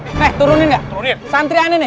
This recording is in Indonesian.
hai hai hai eh turunin santriani nih